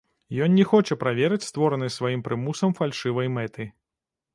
Ён не хоча праверыць створанай сваім прымусам фальшывай мэты.